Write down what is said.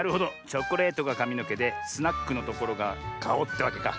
チョコレートがかみのけでスナックのところがかおってわけか。